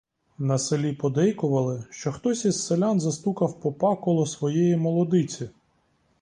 На селі подейкували, що хтось із селян застукав попа коло своєї молодиці.